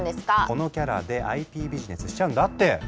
このキャラでＩＰビジネスしちゃうんだって！